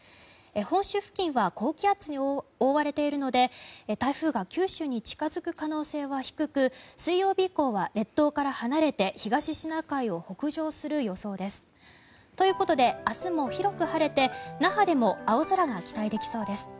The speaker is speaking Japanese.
本州付近は高気圧に覆われているので台風が九州に近付く可能性は低く水曜日以降は列島から離れて東シナ海を北上する予想です。ということで、明日も広く晴れて那覇でも青空が期待できそうです。